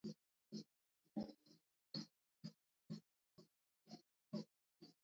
ნერვული ღეროები გამსხვილებული, მკვრივი, გლუვია.